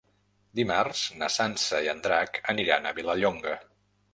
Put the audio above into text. Dimarts na Sança i en Drac aniran a Vilallonga.